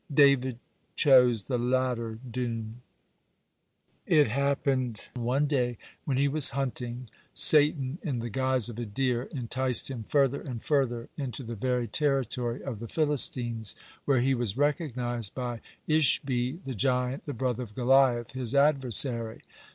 David chose the latter doom. It happened one day when he was hunting, Satan, in the guise of a deer, enticed him further and further, into the very territory of the Philistines, where he was recognized by Ishbi the giant, the brother of Goliath, his adversary.